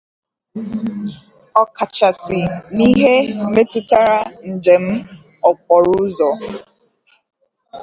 ọkachasị n'ihe metụtara njem okporoụzọ.